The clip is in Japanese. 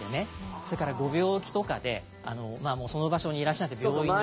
それからご病気とかでもう、その場所にいらっしゃらなくて、病院の。